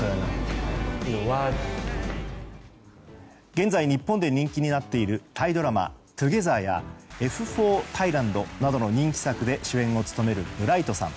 現在、日本で人気になっているタイドラマ「２ｇｅｔｈｅｒ」や「Ｆ４Ｔｈａｉｌａｎｄ」などの人気作で主演を務めるブライトさん